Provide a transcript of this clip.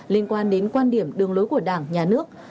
liên quan đến quan điểm đường lối của đảng nhà nước